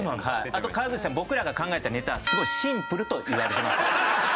あと川口さん僕らが考えたネタ「すごいシンプル」と言われてました。